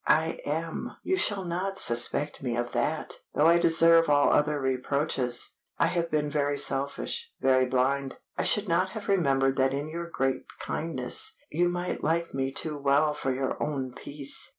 "I am! You shall not suspect me of that, though I deserve all other reproaches. I have been very selfish, very blind. I should have remembered that in your great kindness you might like me too well for your own peace.